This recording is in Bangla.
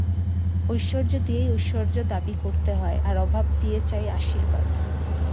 ঐশ্বর্য দিয়েই ঐশ্বর্য দাবি করতে হয়, আর অভাব দিয়ে চাই আশীর্বাদ।